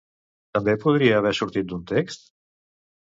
També podria haver sortit d'un text?